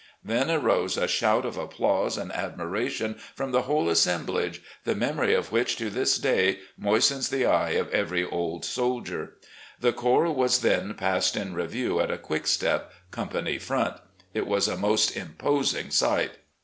Then arose a shout of applause and admiration from the entire assemblage, the memory of which to this day moistens the eye of every old soldier. The corps was then passed in review at a quick step, company front. It was a most imposing sight.